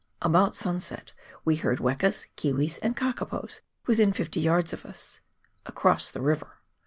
About sunset we heard wekas, kiwis, and kakapos within fifty yards of us — across the river.